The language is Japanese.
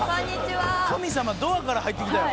「神様ドアから入ってきたよ」